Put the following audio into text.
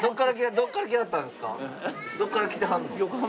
どこから来てはるの？